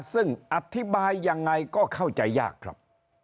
ซึ่งอธิบายยังไงก็เข้าใจยากครับ